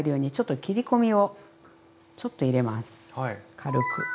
軽く。